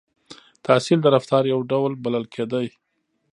• تحصیل د رفتار یو ډول بلل کېده.